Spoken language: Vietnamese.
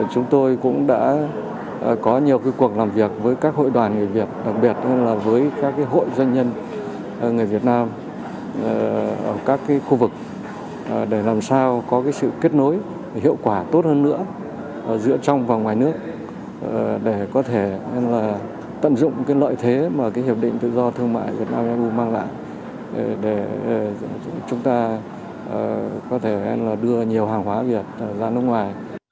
chúng tôi cũng đã có nhiều cuộc làm việc với các hội đoàn người việt đặc biệt là với các hội doanh nhân người việt nam ở các khu vực để làm sao có sự kết nối hiệu quả tốt hơn nữa giữa trong và ngoài nước để có thể tận dụng lợi thế mà hiệp định tự do thương mại việt nam eu mang lại để chúng ta có thể đưa nhiều hàng hóa việt ra nước ngoài